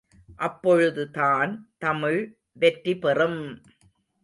அப்பொழுதுதான் தமிழ் வெற்றி பெறும்!